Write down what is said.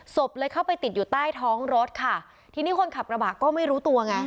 ศพเลยเข้าไปติดอยู่ใต้ท้องรถค่ะทีนี้คนขับกระบะก็ไม่รู้ตัวไง